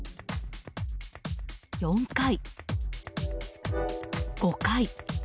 ４回、５回。